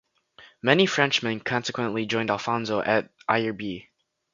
Many Frenchmen consequently joined Alfonso at Ayerbe.